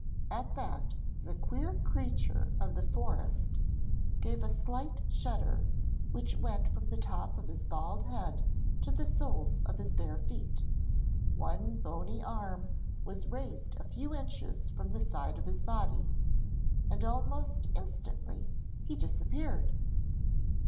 At that the queer creature of the forest gave a slight shudder which went from the top of his bald head to the soles of his bare feet, one bony arm was raised a few inches from the side of his body, and almost instantly he disappeared.